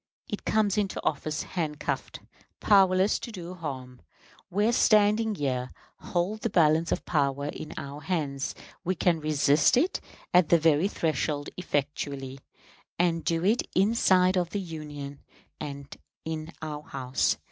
It comes into office handcuffed, powerless to do harm. We, standing here, hold the balance of power in our hands; we can resist it at the very threshold effectually; and do it inside of the Union, and in our House.